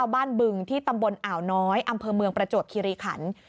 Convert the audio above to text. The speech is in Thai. บึงที่ตำบลอ่าวน้อยอำเภอเมืองประจวบคิริขัน